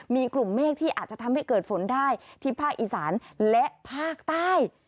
มีกลุ่มเมฆที่อาจจะทำให้เกิดฝนได้ที่ภาคอีสานและภาคใต้